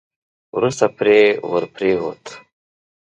وروسته پرې ور پرېووت.